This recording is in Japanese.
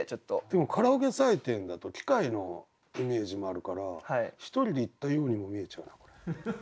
でもカラオケ採点だと機械のイメージもあるから１人で行ったようにも見えちゃう。